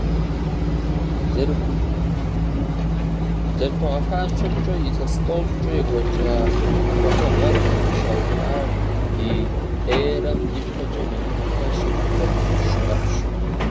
ЗэрыхуагъэфащэмкӀэ, илъэс тӏощӏкӀэ екӀуэкӀа ухуэныгъэр щаухар ди эрэм и пэкӀэ минитӏрэ щитхурэ плӏыщӏ гъэрщ.